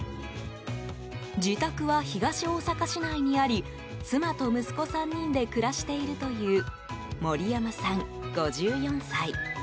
自宅は東大阪市内にあり妻と息子３人で暮らしているという森山さん、５４歳。